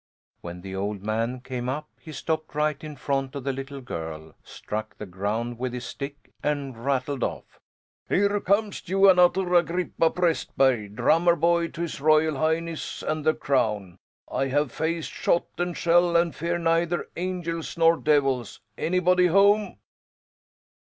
When the old man came up he stopped right in front of the little girl, struck the ground with his stick, and rattled off: "Here comes Johan Utter Agrippa Prästberg, drummer boy to His Royal Highness and the Crown! I have faced shot and shell and fear neither angels nor devils. Anybody home?"